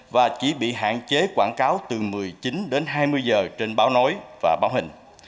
và chỉ bị hạn chế quảng cáo từ một mươi chín đến hai mươi giờ trên báo nói và báo hình